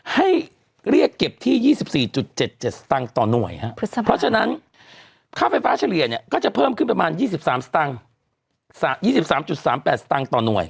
ให้เรียกเก็บที่๒๔๗๗สตางค์ต่อหน่วยครับเพราะฉะนั้นค่าไฟฟ้าเฉลี่ยเนี่ยก็จะเพิ่มขึ้นประมาณ๒๓๓๘สตางค์ต่อหน่วย